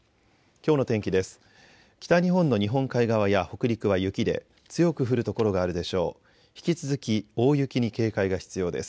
きょうの天気です。